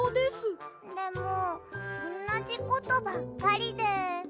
でもおんなじことばっかりで。